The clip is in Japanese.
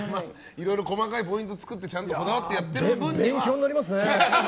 いろいろ細かいポイントを作ってちゃんとこだわってやってる分には。